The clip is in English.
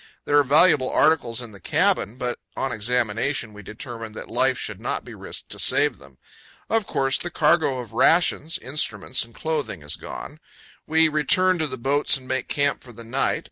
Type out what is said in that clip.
There are valuable articles in the cabin; but, on examination, we determine that life should not THE CANYON OF LODORE. 157 be risked to save them. Of course, the cargo of rations, instruments, and clothing is gone. We return to the boats and make camp for the night.